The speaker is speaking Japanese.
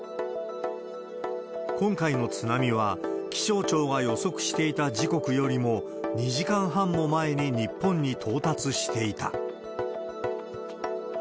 今回の津波は、気象庁が予測していた時刻よりも２時間半も前に日本に到達していた。